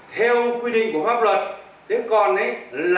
theo quy định của pháp luật thế còn ấy